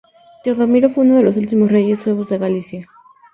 Teodomiro fue uno de los últimos reyes suevos de Galicia.